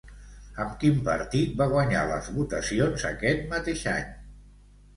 Amb quin partit va guanyar les votacions aquest mateix any?